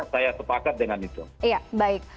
saya sepakat dengan itu iya baik